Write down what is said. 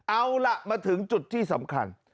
เอาล่ะมาถึงจุดที่สำคัญ